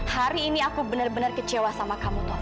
hari ini aku benar benar kecewa sama kamu tuh